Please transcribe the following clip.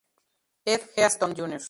Ed Easton Jr.